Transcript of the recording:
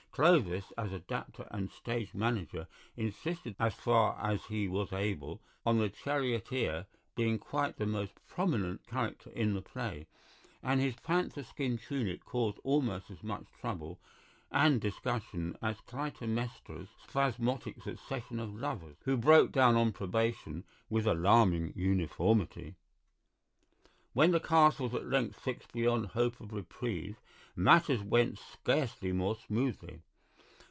Clovis, as adapter and stage manager, insisted, as far as he was able, on the charioteer being quite the most prominent character in the play, and his panther skin tunic caused almost as much trouble and discussion as Clytemnestra's spasmodic succession of lovers, who broke down on probation with alarming uniformity. When the cast was at length fixed beyond hope of reprieve matters went scarcely more smoothly.